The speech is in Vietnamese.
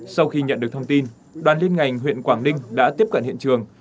sau khi nhận được thông tin đoàn liên ngành huyện quảng ninh đã tiếp cận hiện trường